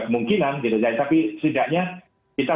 kemungkinan gitu tapi setidaknya kita